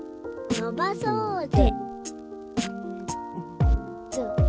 「のばそーぜ」